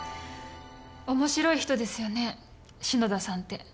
面白い人ですよね篠田さんって。